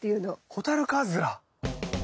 ホタルカズラ？